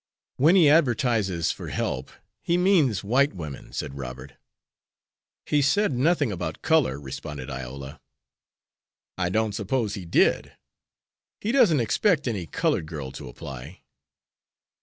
"When he advertises for help he means white women," said Robert. "He said nothing about color," responded Iola. "I don't suppose he did. He doesn't expect any colored girl to apply."